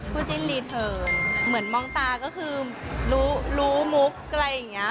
จิ้นรีเทิร์นเหมือนมองตาก็คือรู้รู้มุกอะไรอย่างนี้